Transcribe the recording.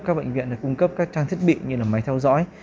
các bệnh viện để cung cấp các trang thiết bị như là máy theo dõi